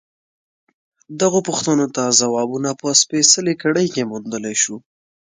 دغو پوښتنو ته ځوابونه په سپېڅلې کړۍ کې موندلای شو.